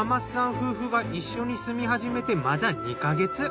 夫婦が一緒に住み始めてまだ２か月。